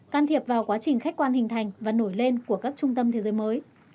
can thiệp vào quá trình khách quan hình thành và nổi lên của các trung tâm thế giới mới